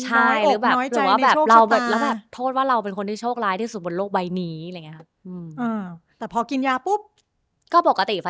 ใช่หรือแบบน้อยอกน้อยใจในโชคชะตา